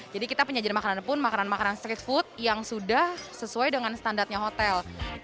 jadi kita penyajian makanan pun makanan makanan street food yang sudah sesuai dengan standarnya hotel